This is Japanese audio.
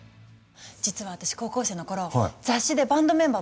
実は私高校生の頃雑誌でバンドメンバー募集してたのよ。